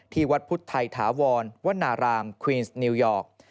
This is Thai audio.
ที่วัดพุทธไทยถาวรวนารามควีนส์นิวยอร์ก